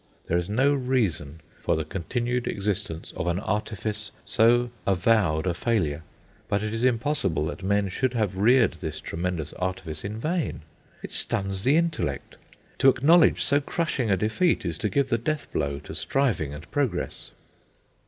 There is no reason for the continued existence of an artifice so avowed a failure. But it is impossible that men should have reared this tremendous artifice in vain. It stuns the intellect. To acknowledge so crushing a defeat is to give the death blow to striving and progress.